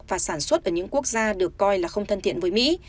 và sản xuất ở những quốc gia được coi là không thân thiện với mỹ